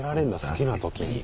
好きな時に。